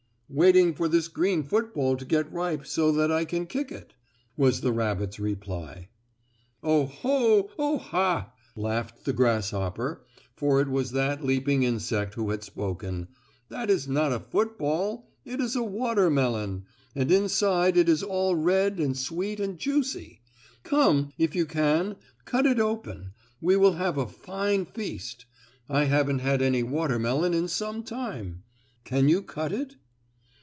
"Waiting for this green football to get ripe so that I can kick it," was the rabbit's reply. "Oh, ho! Oh, ha!" laughed the grasshopper for it was that leaping insect who had spoken, "that is not a football, it is a watermelon, and inside it is all red and sweet and juicy. Come, if you can, cut it open, we will have a fine feast. I haven't had any watermelon in some time. Can you cut it?"